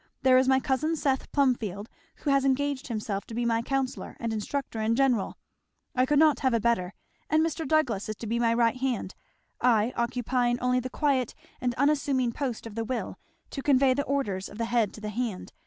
There is my cousin Seth Plumfield, who has engaged himself to be my counsellor and instructor in general; I could not have a better; and Mr. Douglass is to be my right hand; I occupying only the quiet and unassuming post of the will, to convey the orders of the head to the hand.